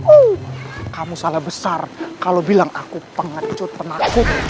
oh kamu salah besar kalau bilang aku pengecut penakut